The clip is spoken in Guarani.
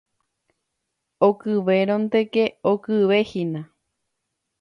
Okyvérõnteke okyvehína.